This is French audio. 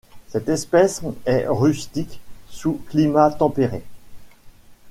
Cette espèce est rustique sous climat tempéré.